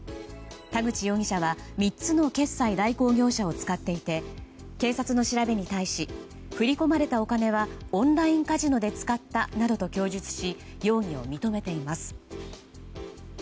田口容疑者は３つの決済代行業者を使っていて警察の調べに対し振り込まれたお金はオンラインカジノで使ったなどと供述し容疑を認めています。